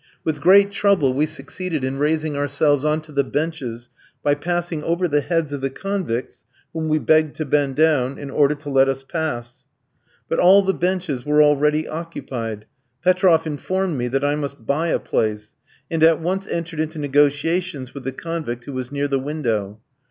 With great trouble we succeeded in raising ourselves on to the benches, by passing over the heads of the convicts, whom we begged to bend down, in order to let us pass; but all the benches were already occupied. Petroff informed me that I must buy a place, and at once entered into negotiations with the convict who was near the window.